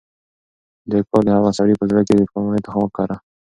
دې کار د هغه سړي په زړه کې د پښېمانۍ تخم وکره.